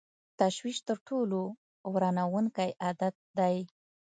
تشویش تر ټولو ورانوونکی عادت دی.